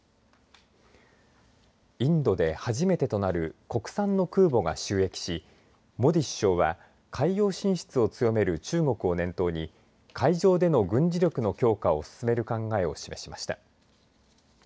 インドで初めてとなる国産の空母が就役し、モディ首相は海洋進出を強める中国を念頭に海上での軍事力の強化を進める考えを示しました。